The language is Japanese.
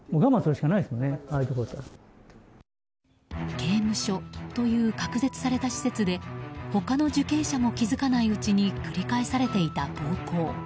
刑務所という隔絶された施設で他の受刑者も気づかないうちに繰り返されていた暴行。